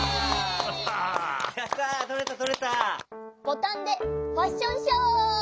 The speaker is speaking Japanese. ボタンでファッションショー！